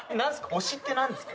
推しって何ですか？